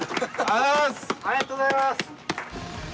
ありがとうございます。